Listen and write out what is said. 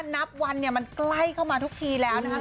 นับวันเนี่ยมันใกล้เข้ามาทุกทีแล้วนะคะ